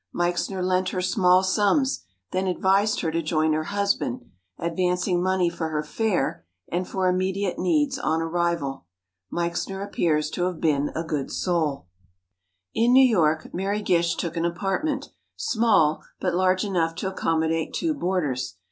Meixner lent her small sums, then advised her to join her husband, advancing money for her fare and for immediate needs on arrival. Meixner appears to have been a good soul. In New York, Mary Gish took an apartment—small, but large enough to accommodate two boarders.